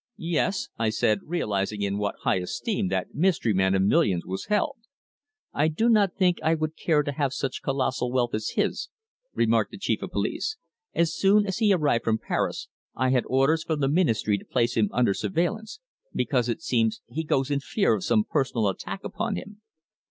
"Yes," I said, realizing in what high esteem that mystery man of millions was held. "I do not think I would care to have such colossal wealth as his," remarked the Chief of Police. "As soon as he arrived from Paris I had orders from the Ministry to place him under surveillance, because, it seems, he goes in fear of some personal attack upon him."